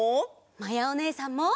まやおねえさんも。